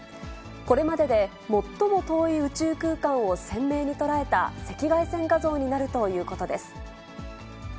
これまでで最も遠い宇宙空間を鮮明に捉えた赤外線画像になるということです。